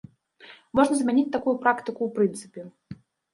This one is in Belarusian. Можна змяніць такую практыку ў прынцыпе?